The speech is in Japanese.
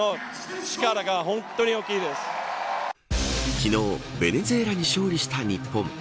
昨日、ベネズエラに勝利した日本。